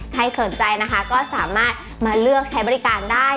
ใครสนใจนะคะก็สามารถมาเลือกใช้บริการได้